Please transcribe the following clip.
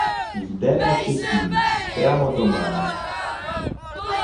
Йде наче тінь, прямо до мене.